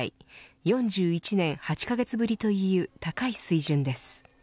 ４１年８カ月ぶりという高い水準です。